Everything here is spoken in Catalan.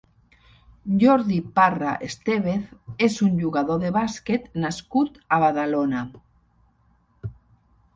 Jordi Parra Estévez és un jugador de bàsquet nascut a Badalona.